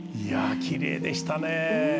きれいでしたね。